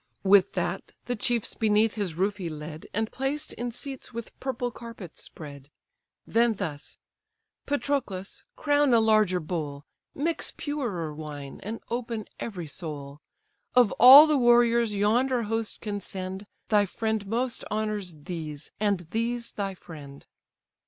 With that, the chiefs beneath his roof he led, And placed in seats with purple carpets spread. Then thus—"Patroclus, crown a larger bowl, Mix purer wine, and open every soul. Of all the warriors yonder host can send, Thy friend most honours these, and these thy friend."